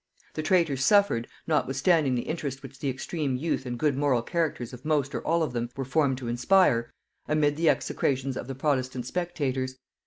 The traitors suffered, notwithstanding the interest which the extreme youth and good moral characters of most or all of them were formed to inspire, amid the execrations of the protestant spectators.